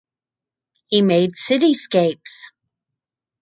He made cityscapes.